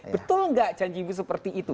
betul nggak janjiku seperti itu